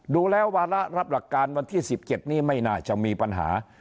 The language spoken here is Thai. ดูแล้ววาระรับหลักการวันที่๑๗นี้ไม่น่าจะมีปัญหา